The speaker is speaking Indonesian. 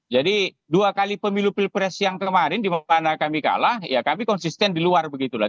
jadi dua kali pemilu pilpres yang kemarin di mana kami kalah ya kami konsisten di luar begitulah